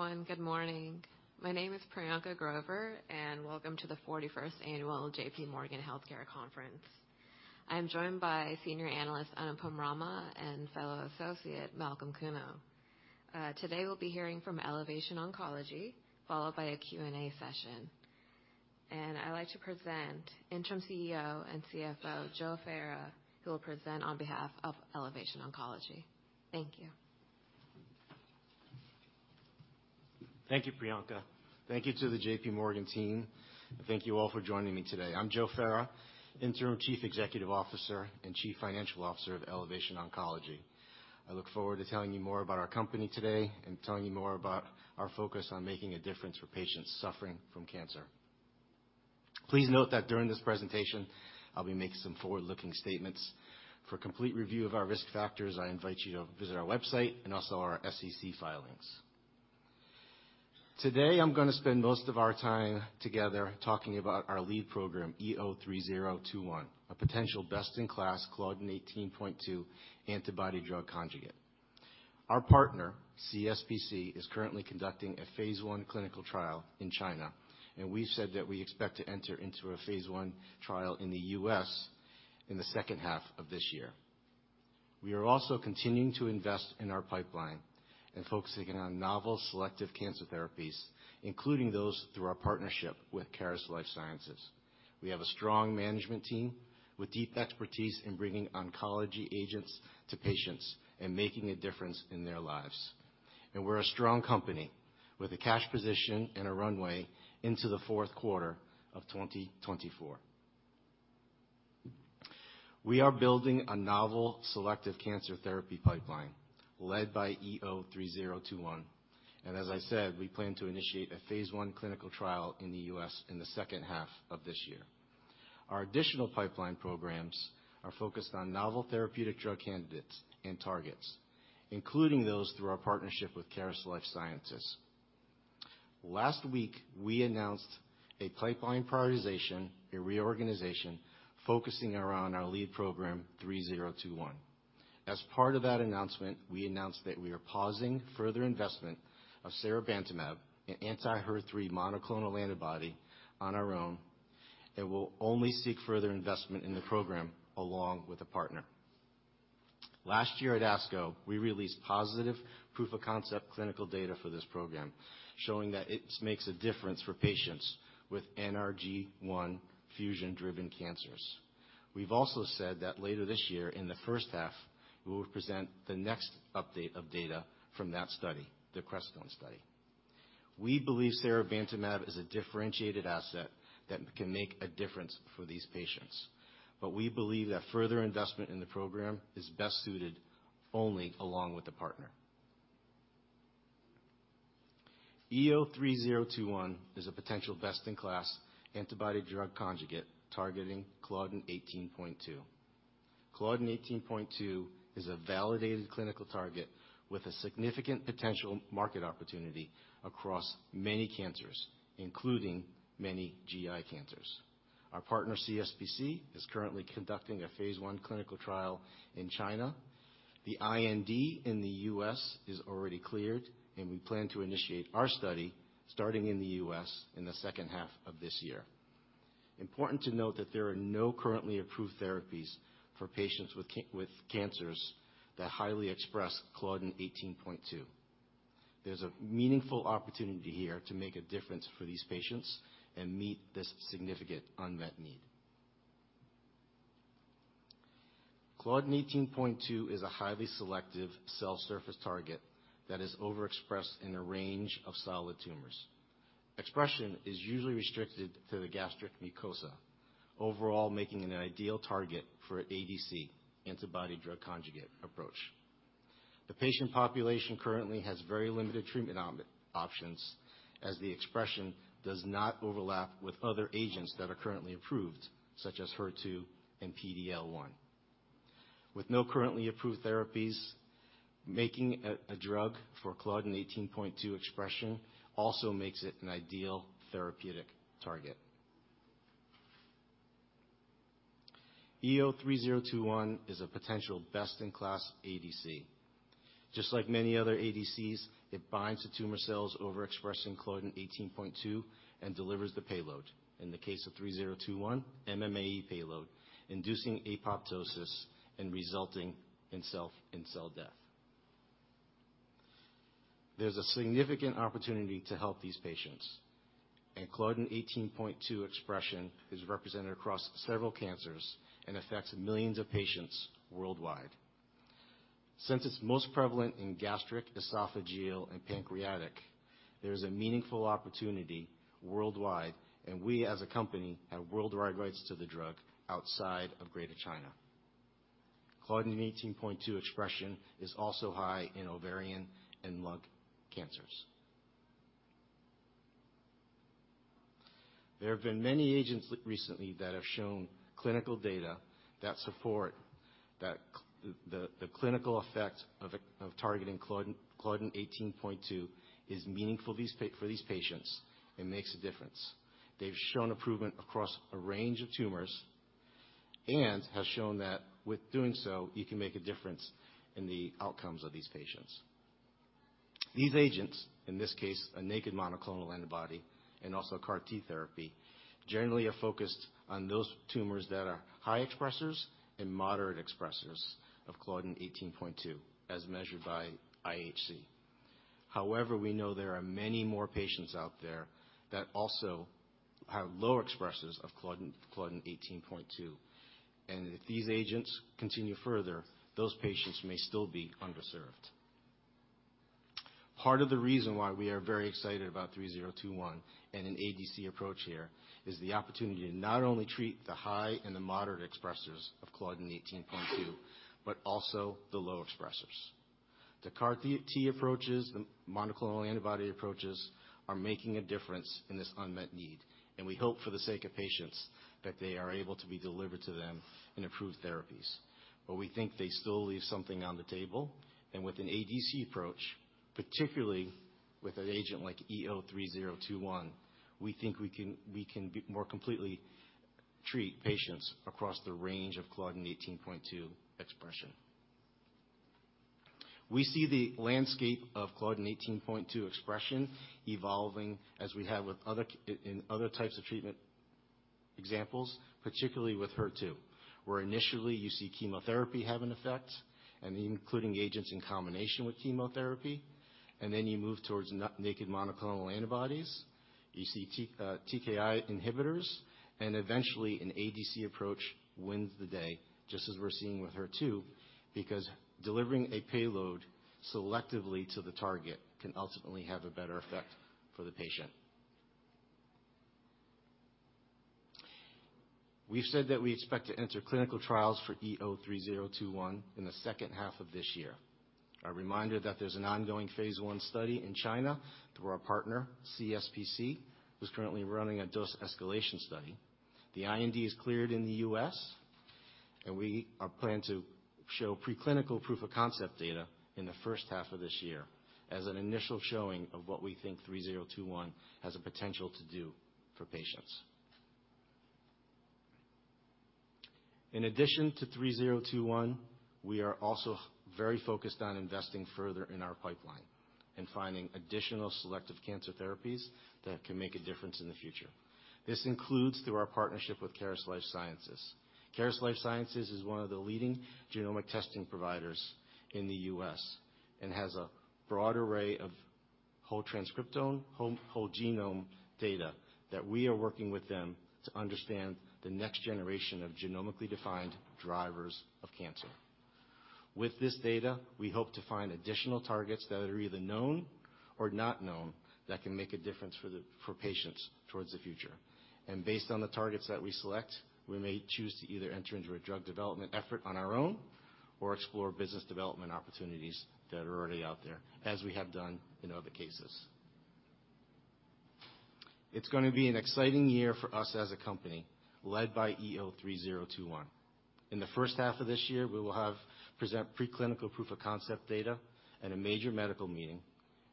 Hi, everyone. Good morning. My name is Priyanka Grover, and welcome to the 41st annual JPMorgan Healthcare Conference. I'm joined by Senior Analyst Anupam Rama and Fellow Associate Malcolm Kuno. Today we'll be hearing from Elevation Oncology, followed by a Q&A session. I'd like to present Interim CEO and CFO, Joseph Ferra, who will present on behalf of Elevation Oncology. Thank you. Thank you, Priyanka. Thank you to the JPMorgan team. Thank you all for joining me today. I'm Joe Ferra, Interim Chief Executive Officer and Chief Financial Officer of Elevation Oncology. I look forward to telling you more about our company today and telling you more about our focus on making a difference for patients suffering from cancer. Please note that during this presentation, I'll be making some forward-looking statements. For complete review of our risk factors, I invite you to visit our website and also our SEC filings. Today, I'm gonna spend most of our time together talking about our lead program, EO-3021, a potential best-in-class Claudin 18.2 antibody-drug conjugate. Our partner, CSPC, is currently conducting a phase I clinical trial in China, and we've said that we expect to enter into a phase I trial in the U.S. in the 2nd half of this year. We are also continuing to invest in our pipeline and focusing on novel selective cancer therapies, including those through our partnership with Caris Life Sciences. We have a strong management team with deep expertise in bringing oncology agents to patients and making a difference in their lives. We're a strong company with a cash position and a runway into the fourth quarter of 2024. We are building a novel selective cancer therapy pipeline led by EO-3021. As I said, we plan to initiate a phase I clinical trial in the U.S. in the second half of this year. Our additional pipeline programs are focused on novel therapeutic drug candidates and targets, including those through our partnership with Caris Life Sciences. Last week, we announced a pipeline prioritization, a reorganization focusing around our lead program 3021. As part of that announcement, we announced that we are pausing further investment of seribantumab, an anti-HER3 monoclonal antibody, on our own and will only seek further investment in the program along with a partner. Last year at ASCO, we released positive proof-of-concept clinical data for this program, showing that it makes a difference for patients with NRG1 fusion-driven cancers. We've also said that later this year, in the first half, we will present the next update of data from that study, the CRESTONE study. We believe seribantumab is a differentiated asset that can make a difference for these patients. We believe that further investment in the program is best suited only along with a partner. EO-3021 is a potential best-in-class antibody-drug conjugate targeting Claudin 18.2. Claudin 18.2 is a validated clinical target with a significant potential market opportunity across many cancers, including many GI cancers. Our partner, CSPC, is currently conducting a phase I clinical trial in China. The IND in the U.S. is already cleared, and we plan to initiate our study starting in the U.S. in the second half of this year. Important to note that there are no currently approved therapies for patients with cancers that highly express Claudin 18.2. There's a meaningful opportunity here to make a difference for these patients and meet this significant unmet need. Claudin 18.2 is a highly selective cell surface target that is overexpressed in a range of solid tumors. Expression is usually restricted to the gastric mucosa, overall making it an ideal target for ADC, antibody-drug conjugate approach. The patient population currently has very limited treatment options, as the expression does not overlap with other agents that are currently approved, such as HER2 and PD-L1. With no currently approved therapies, making a drug for Claudin 18.2 expression also makes it an ideal therapeutic target. EO-3021 is a potential best-in-class ADC. Just like many other ADCs, it binds to tumor cells overexpressing Claudin 18.2 and delivers the payload. In the case of 3021, MMAE payload, inducing apoptosis and resulting in cell death. There's a significant opportunity to help these patients. Claudin 18.2 expression is represented across several cancers and affects millions of patients worldwide. Since it's most prevalent in gastric, esophageal, and pancreatic, there's a meaningful opportunity worldwide, and we, as a company, have worldwide rights to the drug outside of Greater China. Claudin 18.2 expression is also high in ovarian and lung cancers. There have been many agents recently that have shown clinical data that support that the clinical effect of targeting Claudin 18.2 is meaningful for these patients and makes a difference. They've shown improvement across a range of tumors. Has shown that with doing so, you can make a difference in the outcomes of these patients. These agents, in this case, a naked monoclonal antibody and also CAR T therapy, generally are focused on those tumors that are high expressers and moderate expressers of Claudin 18.2 as measured by IHC. However, we know there are many more patients out there that also have low expressers of Claudin 18.2, and if these agents continue further, those patients may still be underserved. Part of the reason why we are very excited about EO-3021 and an ADC approach here is the opportunity to not only treat the high and the moderate expressers of Claudin 18.2, but also the low expressers. The CAR T approaches, the monoclonal antibody approaches are making a difference in this unmet need, and we hope for the sake of patients that they are able to be delivered to them in improved therapies. We think they still leave something on the table. With an ADC approach, particularly with an agent like EO-3021, we think we can be more completely treat patients across the range of Claudin 18.2 expression. We see the landscape of Claudin 18.2 expression evolving as we have with other types of treatment examples, particularly with HER2. Where initially you see chemotherapy have an effect and including agents in combination with chemotherapy, then you move towards naked monoclonal antibodies. You see TKI inhibitors, and eventually an ADC approach wins the day, just as we're seeing with HER2, because delivering a payload selectively to the target can ultimately have a better effect for the patient. We've said that we expect to enter clinical trials for EO-3021 in the second half of this year. A reminder that there's an ongoing phase I study in China through our partner, CSPC, who's currently running a dose escalation study. The IND is cleared in the U.S., and we are planning to show preclinical proof of concept data in the first half of this year as an initial showing of what we think 3021 has the potential to do for patients. In addition to 3021, we are also very focused on investing further in our pipeline and finding additional selective cancer therapies that can make a difference in the future. This includes through our partnership with Caris Life Sciences. Caris Life Sciences is one of the leading genomic testing providers in the U.S. and has a broad array of whole transcriptome, whole genome data that we are working with them to understand the next generation of genomically defined drivers of cancer. With this data, we hope to find additional targets that are either known or not known that can make a difference for patients towards the future. Based on the targets that we select, we may choose to either enter into a drug development effort on our own or explore business development opportunities that are already out there, as we have done in other cases. It's gonna be an exciting year for us as a company led by EO-3021. In the first half of this year, we will have present preclinical proof of concept data at a major medical meeting,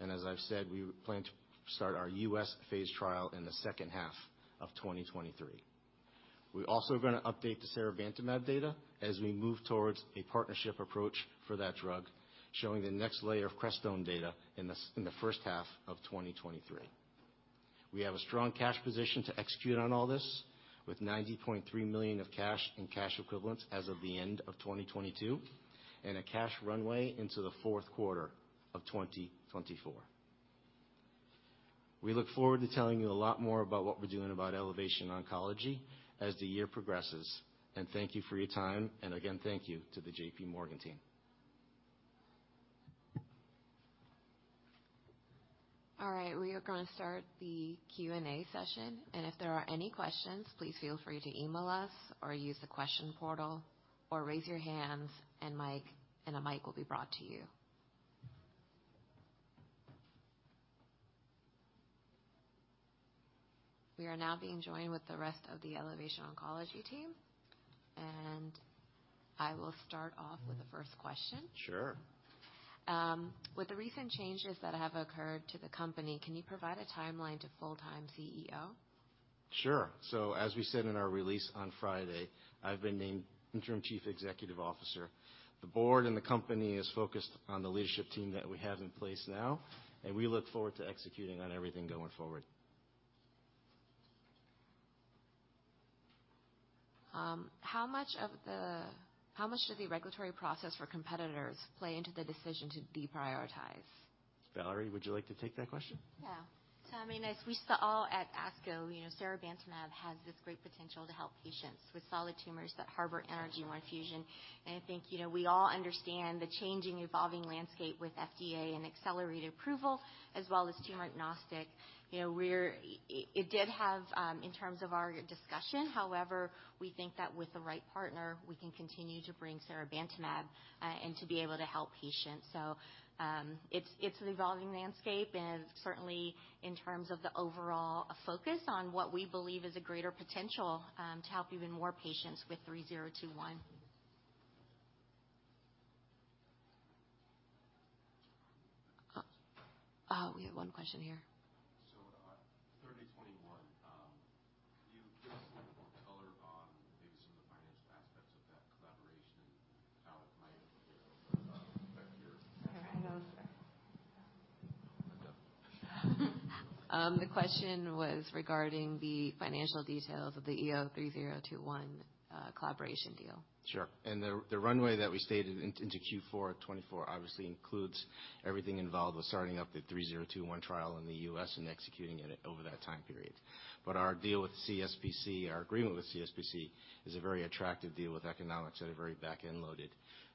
and as I've said, we plan to start our U.S. phase trial in the second half of 2023. We're also gonna update the seribantumab data as we move towards a partnership approach for that drug, showing the next layer of CRESTONE data in the first half of 2023. We have a strong cash position to execute on all this, with $90.3 million of cash and cash equivalents as of the end of 2022, and a cash runway into the fourth quarter of 2024. We look forward to telling you a lot more about what we're doing about Elevation Oncology as the year progresses. Thank you for your time, and again, thank you to the JPMorgan team. All right, we are going to start the Q&A session. If there are any questions, please feel free to email us or use the question portal or raise your hands and a mic will be brought to you. We are now being joined with the rest of the Elevation Oncology team. I will start off with the first question. Sure. With the recent changes that have occurred to the company, can you provide a timeline to full-time CEO? Sure. As we said in our release on Friday, I've been named interim chief executive officer. The board and the company is focused on the leadership team that we have in place now, and we look forward to executing on everything going forward. How much did the regulatory process for competitors play into the decision to deprioritize? Valerie, would you like to take that question? Yeah. I mean, as we saw at ASCO, you know, seribantumab has this great potential to help patients with solid tumors that harbor NRG1 fusion. I think, you know, we all understand the changing, evolving landscape with FDA and Accelerated Approval as well as tumor-agnostic. You know, it did have in terms of our discussion. However, we think that with the right partner, we can continue to bring seribantumab and to be able to help patients. It's an evolving landscape, and certainly in terms of the overall focus on what we believe is a greater potential to help even more patients with EO-3021. We have one question here. 30/21. Can you give us a little more color on maybe some of the financial aspects of that collaboration and how it might affect your... Sorry. I know. The question was regarding the financial details of the EO-3021 collaboration deal. Sure. The, the runway that we stated into Q4 2024 obviously includes everything involved with starting up the EO-3021 trial in the U.S. and executing it over that time period. Our deal with CSPC, our agreement with CSPC is a very attractive deal with economics that are very back-end loaded.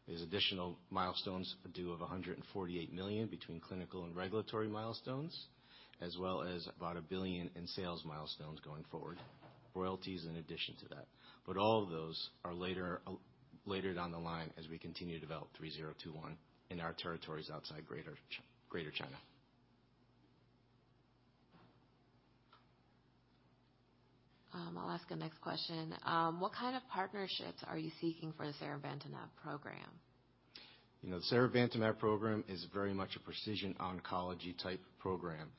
There's additional milestones due of $148 million between clinical and regulatory milestones, as well as about $1 billion in sales milestones going forward. Royalties in addition to that. All of those are later later down the line as we continue to develop EO-3021 in our territories outside Greater China. I'll ask the next question. What kind of partnerships are you seeking for the seribantumab program? You know, the seribantumab program is very much a precision oncology type program.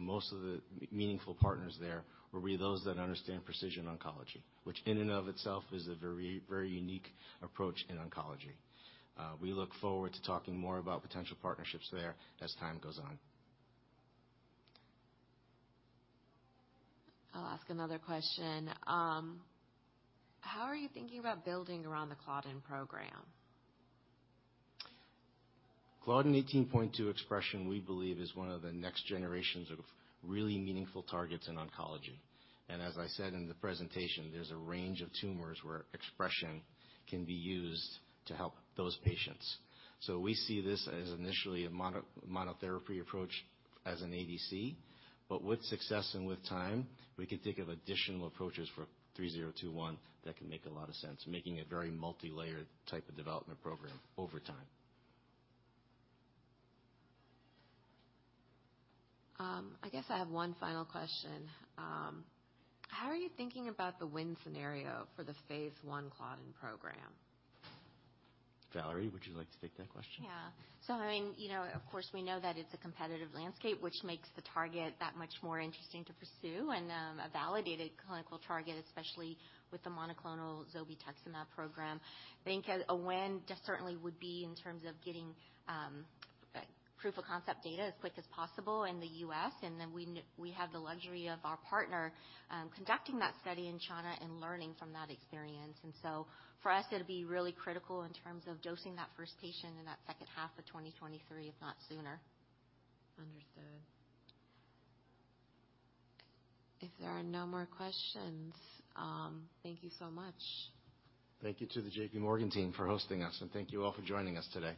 Most of the meaningful partners there will be those that understand precision oncology, which in and of itself is a very unique approach in oncology. We look forward to talking more about potential partnerships there as time goes on. I'll ask another question. How are you thinking about building around the Claudin program? Claudin 18.2 expression, we believe, is one of the next generations of really meaningful targets in oncology. As I said in the presentation, there's a range of tumors where expression can be used to help those patients. We see this as initially a monotherapy approach as an ADC, but with success and with time, we can think of additional approaches for EO-3021 that can make a lot of sense, making a very multilayered type of development program over time. I guess I have one final question. How are you thinking about the win scenario for the phase I Claudin program? Valerie, would you like to take that question? Yeah. I mean, you know, of course we know that it's a competitive landscape, which makes the target that much more interesting to pursue and a validated clinical target, especially with the monoclonal zolbetuximab program. I think a win just certainly would be in terms of getting proof of concept data as quick as possible in the U.S., we have the luxury of our partner conducting that study in China and learning from that experience. For us, it'll be really critical in terms of dosing that first patient in that second half of 2023, if not sooner. Understood. If there are no more questions, thank you so much. Thank you to the JP Morgan team for hosting us, and thank you all for joining us today.